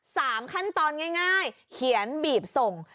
สามขั้นตอนง่ายเขียนบีบส่ง